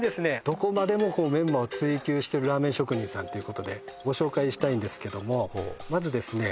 どこまでもこうメンマを追求してるラーメン職人さんということでご紹介したいんですけどもまずですね